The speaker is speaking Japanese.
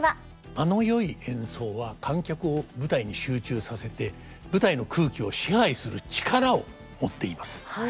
間の良い演奏は観客を舞台に集中させて舞台の空気を支配する力を持っています。